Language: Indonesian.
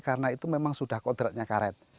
karena itu memang sudah kodratnya karet